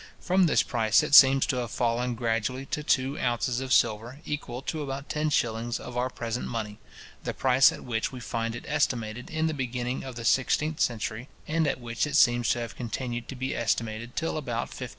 From this price it seems to have fallen gradually to two ounces of silver, equal to about ten shillings of our present money, the price at which we find it estimated in the beginning of the sixteenth century, and at which it seems to have continued to be estimated till about 1570.